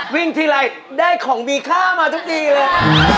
วิ่งทีไรได้ของมีค่ามาทุกทีเลย